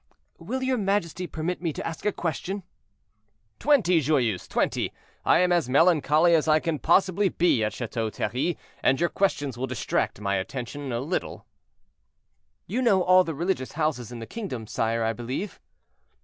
"Will your majesty permit me to ask a question?" "Twenty, Joyeuse, twenty. I am as melancholy as I can possibly be at Chateau Thierry, and your questions will distract my attention a little." "You know all the religious houses in the kingdom, sire, I believe?"